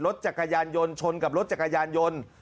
รถจักรยานยนต์ชนกับรถจักรยานยนต์